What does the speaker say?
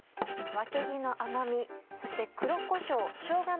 わけぎの甘みそして黒こしょう